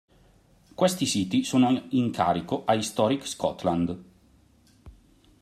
Questi siti sono in carico a Historic Scotland.